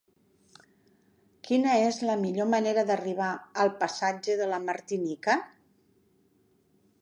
Quina és la millor manera d'arribar al passatge de la Martinica?